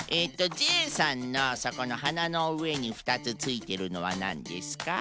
ジェイさんのそこのはなのうえにふたつついてるのはなんですか？